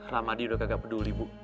ramadi sudah tidak peduli ibu